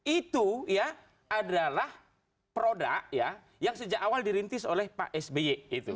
itu ya adalah produk ya yang sejak awal dirintis oleh pak sby